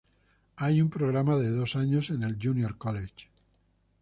Hay un programa de dos años en el junior college.